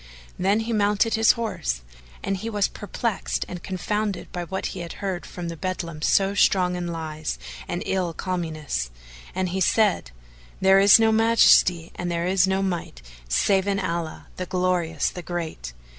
"[FN#438] Then he mounted his horse, and he was perplexed and confounded by what he had heard from the beldam so strong in lies and ill calumnies, and he said, "There is no Majesty and there is no Might save in Allah, the Glorious, the Great!